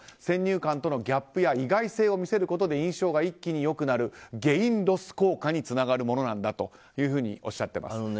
先入観とのギャップや意外性を見せることで一気に印象が良くなるゲインロス効果につながるものなんだというふうにおっしゃっています。